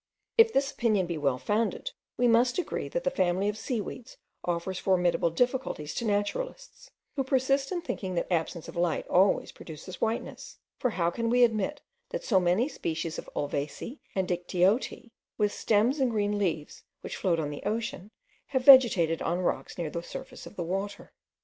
If this opinion be well founded, we must agree that the family of seaweeds offers formidable difficulties to naturalists, who persist in thinking that absence of light always produces whiteness; for how can we admit that so many species of ulvaceae and dictyoteae, with stems and green leaves, which float on the ocean, have vegetated on rocks near the surface of the water?